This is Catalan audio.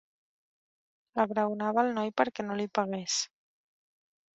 Abraonava el noi perquè no li pegués.